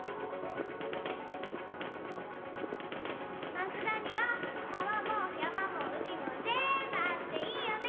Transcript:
益田にはかわもやまもうみもぜんぶあっていいよね！